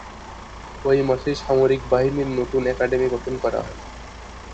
ঐ মাসেই সামরিক বাহিনীর নতুন অ্যাকাডেমি গঠন করা হয়।